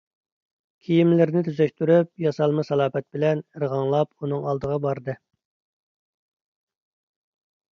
كىيىملىرىنى تۈزەشتۈرۈپ، ياسالما سالاپەت بىلەن ئىرغاڭلاپ ئۇنىڭ ئالدىغا باردى.